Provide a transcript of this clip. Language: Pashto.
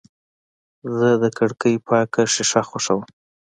زه د کړکۍ پاکه شیشه خوښوم.